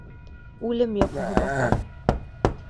Үлем йоҡоһо баҫа.